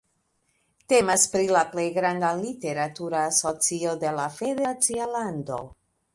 Temas pri la plej granda literatura asocio de la federacia lando.